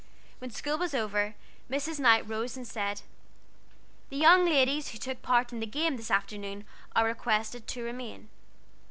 When school was over, Mrs. Knight rose and said, "The young ladies who took part in the game this afternoon are requested to remain."